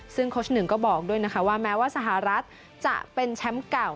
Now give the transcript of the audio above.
ซึ่งโค้ชหนึ่งก็บอกด้วยนะคะว่าแม้ว่าสหรัฐจะเป็นแชมป์เก่า